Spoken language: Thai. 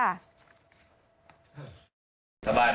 มันหลายอย่างว่านั้น